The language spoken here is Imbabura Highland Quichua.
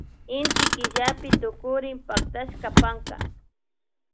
Inty killapi tukurin pactashaka panka